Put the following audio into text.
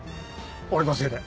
俺のせいで。